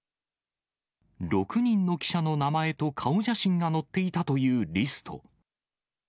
６人の記者の名前と顔写真が載っていたというリスト。